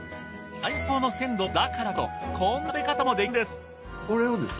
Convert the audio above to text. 最高の鮮度だからこそこんな食べ方もできるんです。